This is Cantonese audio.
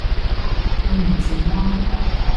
對唔住囉